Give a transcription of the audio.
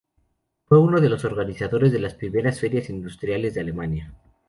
Fue uno de los organizadores de las primeras ferias industriales de Alemania.